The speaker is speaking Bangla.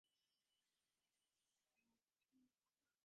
রাশেদুল করিম সাহেব পরপর দু কাপ চা খেলেন।